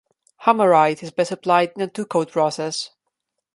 Hammerite is best applied in a two coat process.